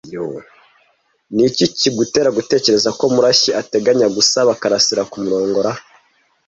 Niki kigutera gutekereza ko Murashyi ateganya gusaba Kalarisa kumurongora?